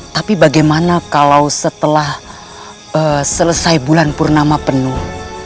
tapi bagaimana kalau setelah selesai bulan purnama penuh